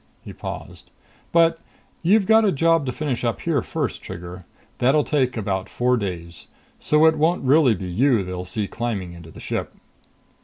He paused. "But you've got a job to finish up here first, Trigger. That'll take about four days. So it won't really be you they see climbing into the ship."